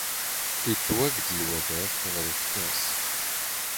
ⵉⵜⵜⵡⴰⴳⴷⵍ ⵡⴰⴷⴰⴼ ⵖⵔ ⵓⴼⵜⴰⵙ.